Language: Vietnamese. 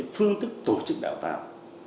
phương tức tổ chức đào tạo